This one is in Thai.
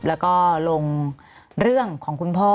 แล้วก็ลงเรื่องของคุณพ่อ